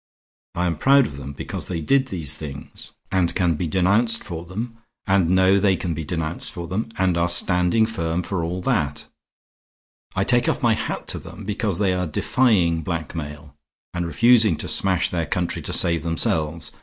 "I am proud of them because they did these things, and can be denounced for them, and know they can be denounced for them, and are standing firm for all that. I take off my hat to them because they are defying blackmail, and refusing to smash their country to save themselves.